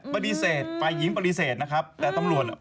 ปฏิเสธฝ่ายหญิงปฏิเสธนะครับแต่ตำรวจอ่ะ